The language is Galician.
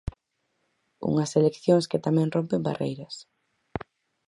Unhas eleccións que tamén rompen barreiras.